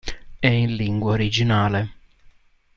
È in lingua originale.